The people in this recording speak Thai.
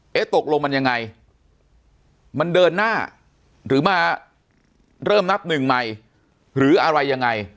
ตกลงมันยังไงมันเดินหน้าหรือมาเริ่มนับหนึ่งใหม่หรืออะไรยังไง